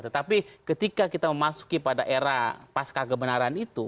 tetapi ketika kita memasuki pada era pasca kebenaran itu